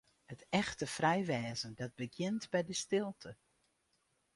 It echte frij wêzen, dat begjint by de stilte.